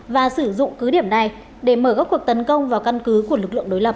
và sử dụng cứ điểm này để mở các cuộc tấn công vào căn cứ của lực lượng đối lập